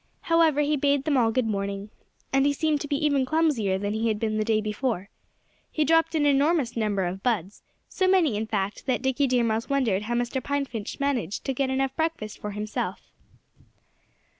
However, he bade them all good morning. And he seemed to be even clumsier than he had been the day before. He dropped an enormous number of buds; so many, in fact, that Dickie Deer Mouse wondered how Mr. Pine Finch managed to get enough breakfast for himself.